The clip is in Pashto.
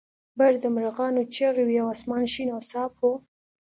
بهر د مرغانو چغې وې او اسمان شین او صاف و